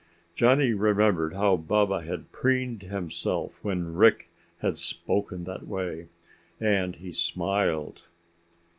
Johnny remembered how Baba had preened himself when Rick had spoken that way, and he smiled.